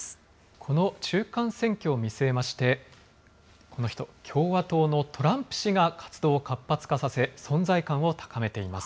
この中間選挙を見据えまして、この人、共和党のトランプ氏が活動を活発化させ、存在感を高めています。